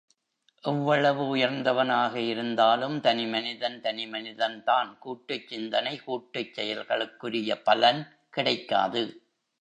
எவ்வளவு உயர்ந்தவனாக இருந்தாலும் தனி மனிதன், தனிமனிதன்தான் கூட்டுச் சிந்தனை, கூட்டுச் செயல்களுக்குரிய பலன் கிடைக்காது.